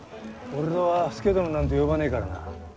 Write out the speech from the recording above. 俺は佐殿なんて呼ばねえからな。